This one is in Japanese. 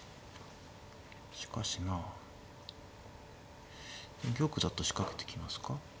しかしなあ玉だと仕掛けてきますか？